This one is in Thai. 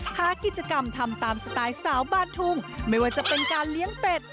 หากิจกรรมทำตามสไตล์สาวบ้านทุ่งไม่ว่าจะเป็นการเลี้ยงเป็ด